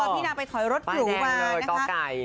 พี่นางไปถอยรถหลุบาน